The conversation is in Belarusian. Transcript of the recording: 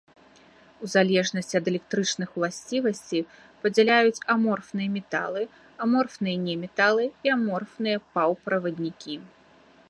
У залежнасці ад электрычных уласцівасцей, падзяляюць аморфныя металы, аморфныя неметалы і аморфныя паўправаднікі.